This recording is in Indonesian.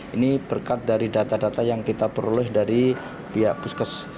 ini berkat dari data data yang kita peroleh dari pihak puskes